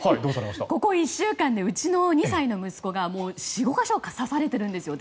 ここ１週間でうちの２歳の息子が４５か所刺されてるんですよ。